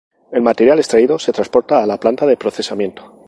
El material extraído se transporta a la planta de procesamiento.